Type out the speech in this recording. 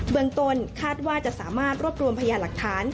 เมืองต้นคาดว่าจะสามารถรวบรวมพยาหลักฐาน